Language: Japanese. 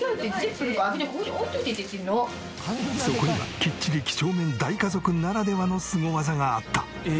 そこにはきっちり几帳面大家族ならではのスゴ技があった！